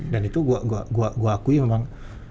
dan itu gue akui memang